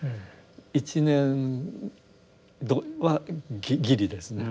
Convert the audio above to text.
１年度はギリですね。